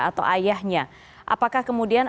atau ayahnya apakah kemudian